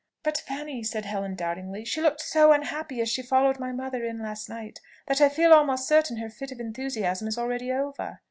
"But, Fanny," said Helen doubtingly, "she looked so unhappy as she followed my mother in last night, that I feel almost certain her fit of enthusiasm is already over."